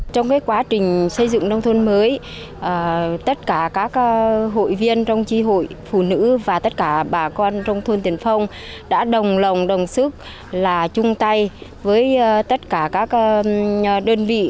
trong quá trình xây dựng nông thôn mới tất cả các hội viên trong tri hội phụ nữ và tất cả bà con trong thôn tiền phong đã đồng lòng đồng sức là chung tay với tất cả các đơn vị